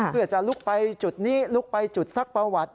เพื่อจะลุกไปจุดนี้ลุกไปจุดซักประวัติ